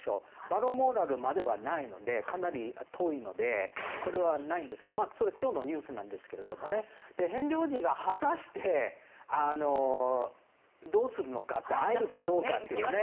バルモラルまではないのでかなり、遠いのでこれはないんですが今日のニュースなんですけれどもヘンリー王子が果たして、どうするのかって会えるかどうかというね。